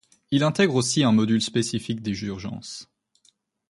Il intègre aussi un module spécifique des urgences.